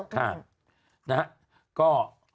นะฮะก็